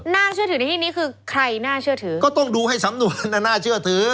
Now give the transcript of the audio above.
น่าเชื่อถือในที่นี้คือใครน่าเชื่อถือก็ต้องดูให้สำนวนน่ะน่าเชื่อถือ